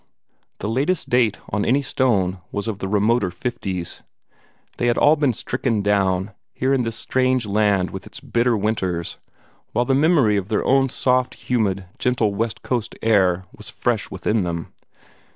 The latest date on any stone was of the remoter 'fifties. They had all been stricken down, here in this strange land with its bitter winters, while the memory of their own soft, humid, gentle west coast air was fresh within them.